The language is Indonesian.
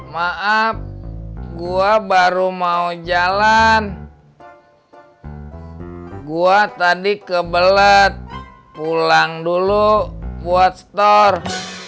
maaf gua baru mau jalan gua tadi ke belet pulang dulu buat store